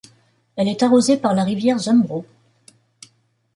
Elle est arrosée par la rivière Zumbro.